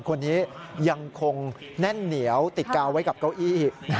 คนนี้ยังคงแน่นเหนียวติดกาวไว้กับเก้าอี้